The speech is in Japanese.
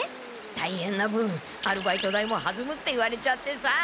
たいへんな分アルバイト代もはずむって言われちゃってさ。